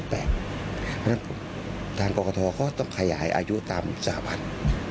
เพราะฉะนั้นทางกรกฐก็ต้องขยายอายุตามสถาบัน